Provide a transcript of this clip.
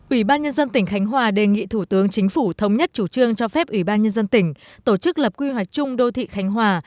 ủy ban nhân dân tỉnh khánh hòa đề nghị thủ tướng chính phủ thống nhất chủ trương cho phép ủy ban nhân dân tỉnh tổ chức lập quy hoạch chung đô thị khánh hòa